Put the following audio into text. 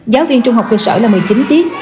giáo viên trung học cơ sở là một mươi chín tiết